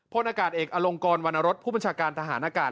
พลอากาศเอกอลงกรวรรณรสผู้บัญชาการทหารอากาศ